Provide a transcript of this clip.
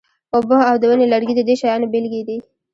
اوبه او د ونې لرګي د دې شیانو بیلګې دي.